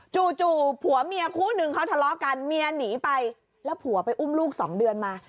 จู่ผัวเมียคู่นึงเขาทะเลาะกันเมียหนีไปแล้วผัวไปอุ้มลูกสองเดือนมา